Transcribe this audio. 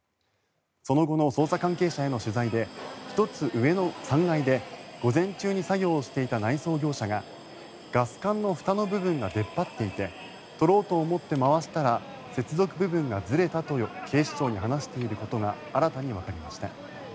その後の捜査関係者への取材で１つ上の３階で午前中に作業をしていた内装業者がガス管のふたの部分が出っ張ていて取ろうと思って回したら接続部分がずれたと警視庁に話していることが新たにわかりました。